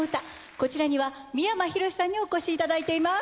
こちらには三山ひろしさんにお越しいただいています。